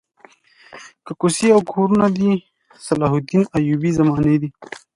که کوڅې او که کورونه دي د صلاح الدین ایوبي زمانې دي.